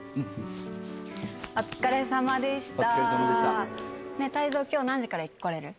お疲れさまでした。